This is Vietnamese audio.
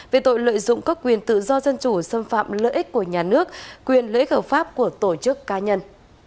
về tội lợi dụng các quyền tự do dân chủ xâm phạm lợi ích của nhà nước quyền lợi ích hợp pháp của tổ chức cá nhân